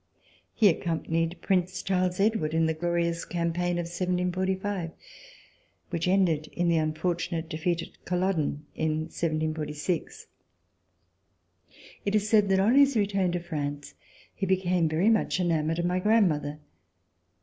He accompanied Prince Charles Edward in the glorious campaign of 1745, which ended in the un fortunate defeat of Culloden in 1746. It Is said that on his return to France he became very much enamored of my grandmother.